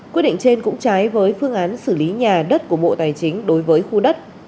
quyết định trên cũng trái với phương án xử lý nhà đất của bộ tài chính đối với khu đất